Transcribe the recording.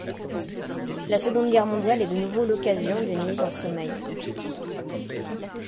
La Seconde Guerre mondiale est de nouveau l'occasion d'une mise en sommeil.